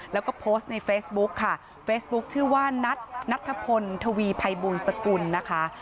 แล้วก็โพสต์ในเฟซบุ๊คค่ะเฟซบุ๊คชื่อว่านัทนัทธพลทวีภัยบูลสกุลนะคะ